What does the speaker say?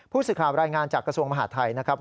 ผู้สื่อข่าวรายงานจากกระทรวงมหาดไทยนะครับ